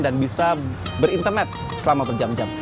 dan bisa berintemat selama berjam jam